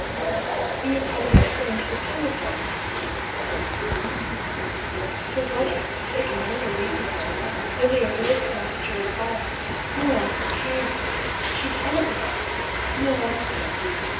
"You have had a letter and two telegrams," said Mrs. Mervyn. " Sir Roderick was taken ill a week ago. Lilia wrote and asked your advice. No answer came. She telegraphed. No answer.